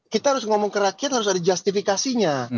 kita harus ngomong kerakyat harus ada justifikasinya